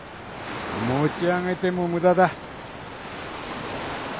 持ち上げても無駄だ。